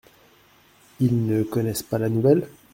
Ils ne connaissent pas la nouvelle ?